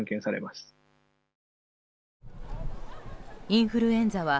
インフルエンザは